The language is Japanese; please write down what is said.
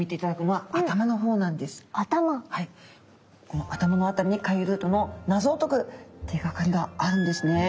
この頭の辺りに回遊ルートの謎を解く手がかりがあるんですね。